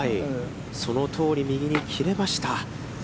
そのとおり右に切れました。